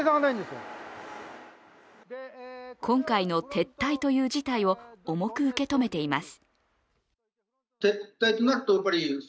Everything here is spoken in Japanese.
今回の撤退という事態を重く受け止めています。